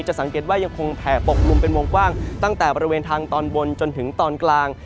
สังเกตว่ายังคงแผ่ปกกลุ่มเป็นวงกว้างตั้งแต่บริเวณทางตอนบนจนถึงตอนกลาง